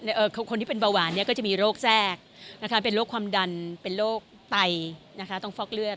เยอะอ๋ะค่ะน้องคนที่เป็นเบาหวานก็จะมีโรคแจ้กเป็นโรคความดันเป็นโรคไตนั้นค่ะต้องฟอกเลือด